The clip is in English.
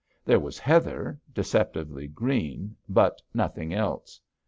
There was heather, deceptively green, but nothing else.